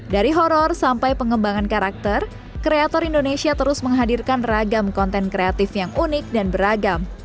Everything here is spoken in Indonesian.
dari horror sampai pengembangan karakter kreator indonesia terus menghadirkan ragam konten kreatif yang unik dan beragam